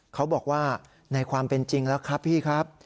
เขาบอกว่าในความเป็นจริงแล้วครับพี่ครับ